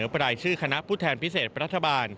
ปลายชื่อคณะผู้แทนพิเศษรัฐบาล